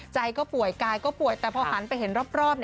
ใจก็ป่วยกายก็ป่วยแต่พอหันไปเห็นรอบ